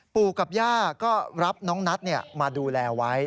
ปู่กับย่าก็รับน้องนัทมาดูแลไว้